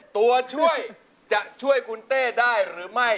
ตัวช่วยจะช่วยคุณเต้ได้หรือไม่